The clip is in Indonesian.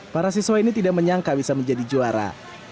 para siswa ini tidak menyangka bisa menjadi juara